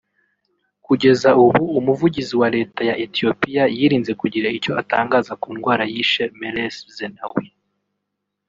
Kugeza ubu Umuvugizi wa Leta ya Ethiopia yirinze kugira icyo atangaza ku ndwara yishe Meles Zenawi